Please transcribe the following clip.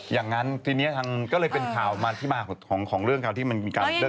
อย่างนั้นทีนี้ก็เลยเป็นข่าวมาที่มาของเรื่องราวที่มันมีการเลือก